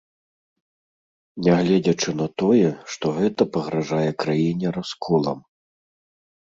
Нягледзячы на тое, што гэта пагражае краіне расколам.